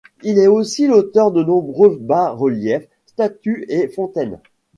Il est aussi l'auteur de nombreux bas-reliefs, statues et fontaines.